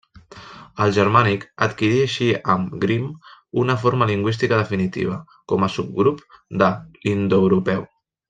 El germànic adquirí així amb Grimm una forma lingüística definitiva, com a subgrup de l'indoeuropeu.